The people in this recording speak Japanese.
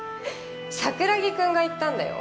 桜木くんが言ったんだよ。